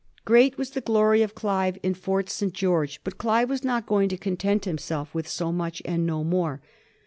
Great was the glory of Clive in Fort St. George ; but Clive was not going to content himself with so much and no more.